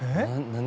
何？